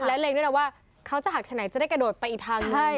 และเล็งด้วยนะว่าเขาจะหักทางไหนจะได้กระโดดไปอีกทางหนึ่ง